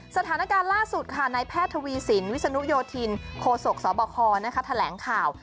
สถานการณ์ล่าสุดค่ะนายแพทย์ทวีสินวิศนุโยธินโคศกสบคแถลงข่าว